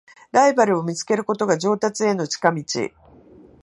ライバルを見つけることが上達への近道